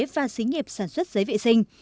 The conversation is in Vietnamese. và xí nghiệp sản xuất giấy vệ sinh